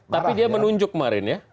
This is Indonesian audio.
tapi dia menunjuk kemarin ya